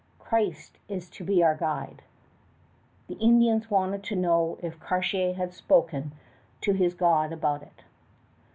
"Christ is to be our guide." The Indians wanted to know if Cartier had spoken to his God about it.